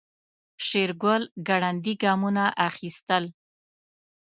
شېرګل ګړندي ګامونه اخيستل.